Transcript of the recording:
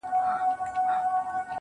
كه څه هم په دار وځړوو.